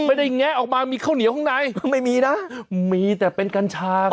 แงะออกมามีข้าวเหนียวข้างในไม่มีนะมีแต่เป็นกัญชา